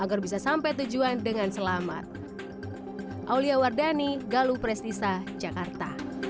agar bisa sampai tujuan dengan selamat